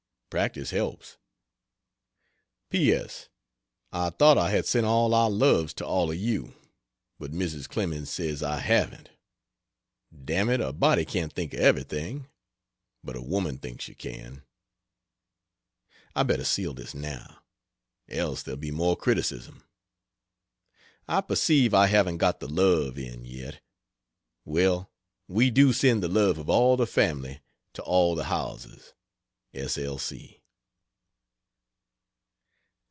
Practice helps. P. S. I thought I had sent all our loves to all of you, but Mrs. Clemens says I haven't. Damn it, a body can't think of everything; but a woman thinks you can. I better seal this, now else there'll be more criticism. I perceive I haven't got the love in, yet. Well, we do send the love of all the family to all the Howellses. S. L.